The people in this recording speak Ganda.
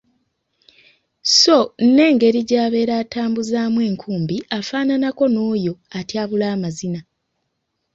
Sso n’engeri gy'abeera atambuzaamu enkumbi afaanaanako n'oyo atyabula amazina.